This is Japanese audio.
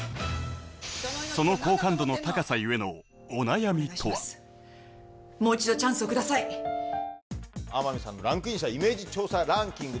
その好感度の高さゆえのお悩みとはもう一度チャンスをください天海さんのランクインしたイメージ調査ランキング